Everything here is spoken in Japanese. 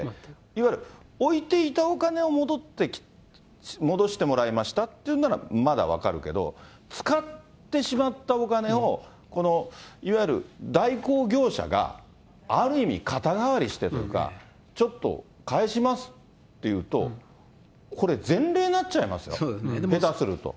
いわゆる、置いていたお金を戻してもらいましたっていうんなら、まだ分かるけど、使ってしまったお金を、このいわゆる代行業者がある意味、肩代わりしてとか、ちょっと返しますというと、これ前例になっちゃいますよ、下手すると。